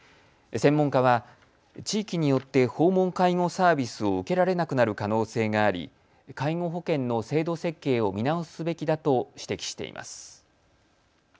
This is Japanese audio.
専門家は地域によって訪問介護サービスを受けられなくなる可能性があり介護保険の制度設計を見直すべきだと指摘しています。